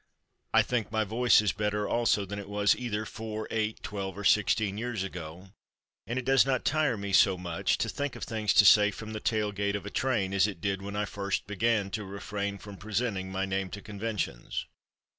I think my voice is better also that it was either four, eight, twelve or sixteen years ago, and it does not tire me so much to think of things to say from the tail gate of a train as it did when I first began to refrain from presenting my name to conventions.